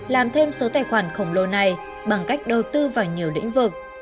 làm thêm số tài khoản khổng lồ này bằng cách đầu tư vào nhiều lĩnh vực